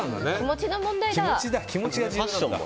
気持ちの問題だ。